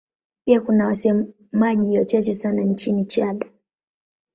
Pia kuna wasemaji wachache sana nchini Chad.